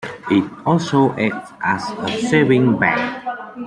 It also acts as a savings bank.